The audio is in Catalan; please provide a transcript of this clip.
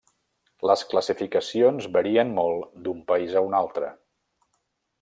Les classificacions varien molt d'un país a un altre.